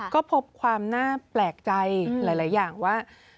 ก็พบความน่าแปลกใจหลายอย่างว่า